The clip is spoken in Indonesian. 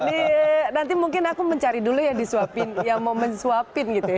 oh nanti mungkin aku mencari dulu yang disuapin yang mau disuapin gitu ya